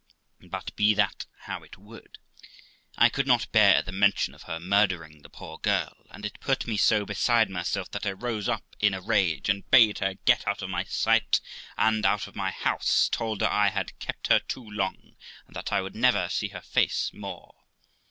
But be that how it would, I could not bear the mention of her murdering the poor girl, and it put me so beside myself, that I rose up in a rage, and bade her get out of my sight, and out of my house; told her I had kept her too long, and that I would never see her face more.